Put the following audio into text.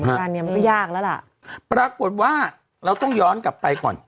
งานเนี้ยมันก็ยากแล้วล่ะปรากฏว่าเราต้องย้อนกลับไปก่อน